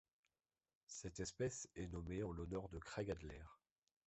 Cette espèce est nommée en l'honneur de Kraig Adler.